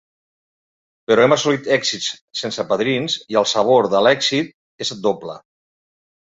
Però hem assolit èxits sense padrins i el sabor de l’èxit és doble.